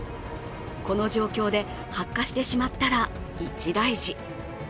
この状況で発火してしまったら一大事。